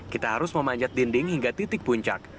kita harus memanjat dinding hingga titik puncak